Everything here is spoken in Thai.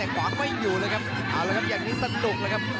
เอาละครับอย่างนี้สนุกเลยครับ